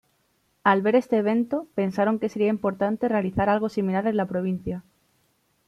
Al ver este evento, pensaron que sería importante realizar algo similar en la provincia.